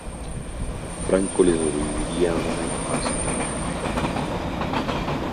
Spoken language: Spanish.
Franco le sobreviviría un año más antes de fallecer.